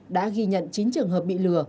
đã ghi nhận chín trường hợp bị lừa